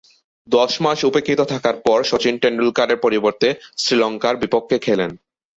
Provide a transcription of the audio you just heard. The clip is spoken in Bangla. দশ মাস উপেক্ষিত থাকার পর শচীন তেন্ডুলকরের পরিবর্তে শ্রীলঙ্কার বিপক্ষে খেলেন।